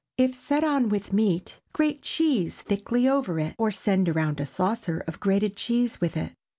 If set on with meat, grate cheese thickly over it, or send around a saucer of grated cheese with it.